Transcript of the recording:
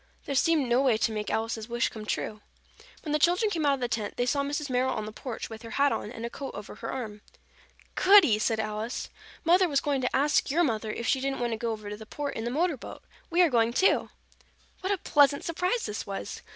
There seemed no way to make Alice's wish come true. When the children came out of the tent, they saw Mrs. Merrill on the porch with her hat on and a coat over her arm. "Goody!" said Alice. "Mother was going to ask your mother if she didn't want to go over to the Port in the motor boat. We are going, too." What a pleasant surprise this was!